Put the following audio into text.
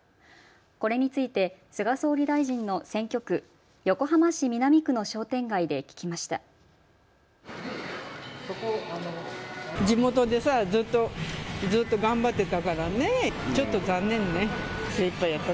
これについて菅総理大臣の選挙区、横浜市南区の商店街で聞きました。